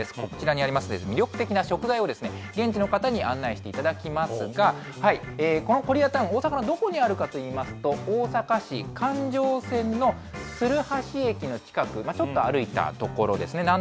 こちらにありますけれども、魅力的な食材を、現地の方に案内していただきますが、このコリアタウン、大阪のどこにあるかといいますと、大阪市環状線の鶴橋駅の近く、ちょっと歩いた所ですね。